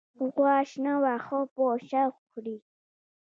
غوا شنه واخه په شوق خوری